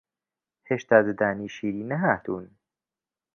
هێشتا ددانی شیری نەهاتوون